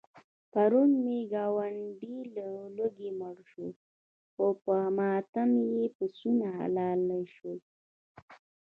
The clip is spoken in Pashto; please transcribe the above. پرون مې ګاونډی له لوږې مړ شو، خو په ماتم یې پسونه حلال شول.